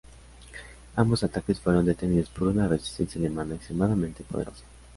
Ambos ataques fueron detenidos por una resistencia alemana extremadamente poderosa.